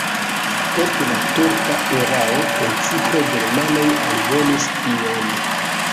Post la turka erao precipe germanoj alvenis tien.